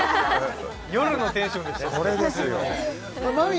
夜のテンションでしたね